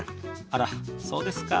あらっそうですか。